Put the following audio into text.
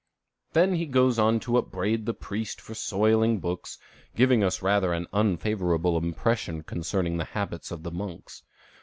'" Then he goes on to upbraid the priests for soiling books, giving us rather an unfavorable impression concerning the habits of the monks.